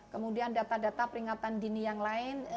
kemudian data data peringatan dini yang lain